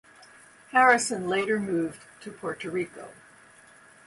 Harrison later moved to Puerto Rico.